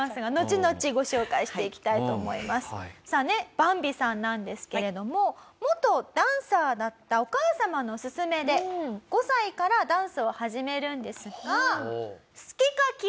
バンビさんなんですけれども元ダンサーだったお母様の勧めで５歳からダンスを始めるんですが。